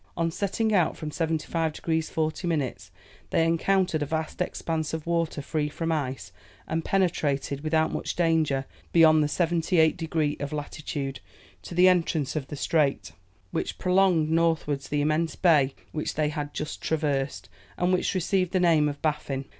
On setting out from 75 degrees 40 minutes, they encountered a vast expanse of water free from ice, and penetrated, without much danger, beyond the 78 degree of latitude, to the entrance of the strait, which prolonged northwards the immense bay which they had just traversed, and which received the name of Baffin.